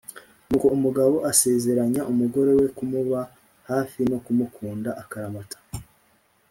Nuko umugabo asezeranya umugore we kumuba hafi no kumukunda akaramata